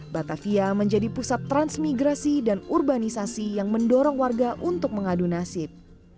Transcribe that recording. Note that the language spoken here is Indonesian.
batavia menjadi pusat transmigrasi dan urbanisasi yang mendorong warga untuk mengadu nasib